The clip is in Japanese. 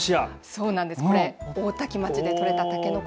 そうなんです大多喜町でとれたたけのこ。